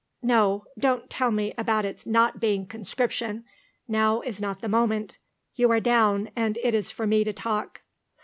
(No, don't tell me about it's not being conscription; now is not the moment. You are down, and it is for me to talk.)